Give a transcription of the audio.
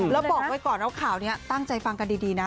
แล้วบอกไว้ก่อนว่าข่าวนี้ตั้งใจฟังกันดีนะ